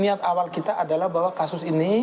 niat awal kita adalah bahwa kasus ini